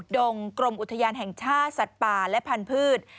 ดงกรมอุทยานแห่งชาติสัตว์ป่าและพันธุ์